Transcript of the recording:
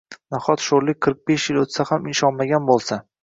Nahot, sho’rlik qirq besh yil o’tsa ham ishonmagan bo’lsa?